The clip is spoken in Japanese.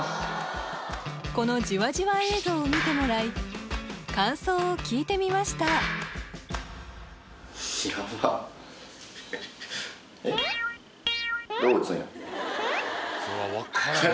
このじわじわ映像を見てもらい感想を聞いてみましたあれ？